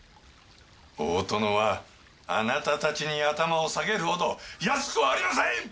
大殿はあなたたちに頭を下げるほど安くはありません！